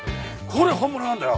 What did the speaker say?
これ本物なんだよ！